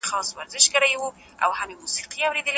موږ باید د خپلو باورونو سرچینې وپېژنو.